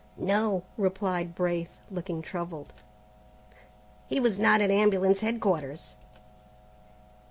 "No," replied Braith, looking troubled, "he was not at Ambulance Headquarters."